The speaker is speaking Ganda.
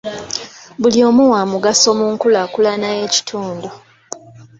Buli omu wa mugaso mu nkulaakulana y'ekitundu.